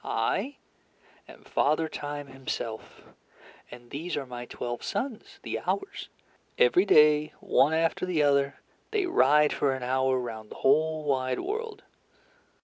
I am Father Time himself, and these are my twelve sons, the Hours. Every day, one after the other, they ride for an hour round the whole wide world.